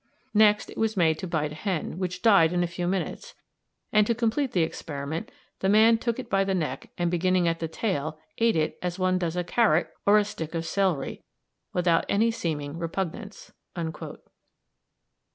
Next it was made to bite a hen, which died in a few minutes; and, to complete the experiment, the man took it by the neck, and, beginning at the tail, ate it as one does a carrot or a stick of celery, without any seeming repugnance."